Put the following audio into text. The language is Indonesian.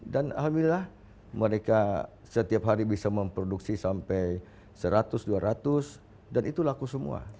dan alhamdulillah mereka setiap hari bisa memproduksi sampai seratus dua ratus dan itu laku semua